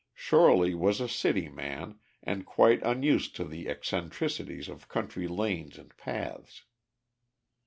Shorely was a city man, and quite unused to the eccentricities of country lanes and paths.